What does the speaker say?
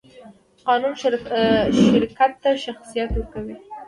قانون شرکت ته شخصیت ورکوي.